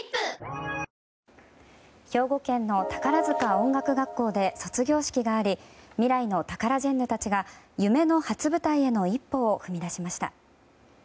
音楽学校で卒業式があり未来のタカラジェンヌたちが夢の初舞台への一歩を踏み出しました。